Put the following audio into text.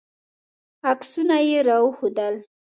عکسونه یې راوښودل.